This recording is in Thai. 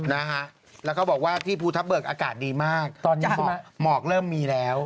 นะฮะแล้วก็บอกว่าที่ภูทับเบิกอากาศดีมากตอนนี้หมอกเริ่มมีแล้ว